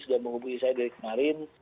sudah menghubungi saya dari kemarin